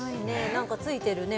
何かついてるね